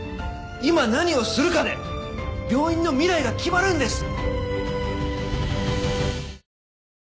今何をするかで病院の未来が決まるんです。